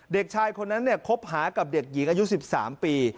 เด็กชายคนนั้นคบหากับเด็กหญิงอายุ๑๓ปี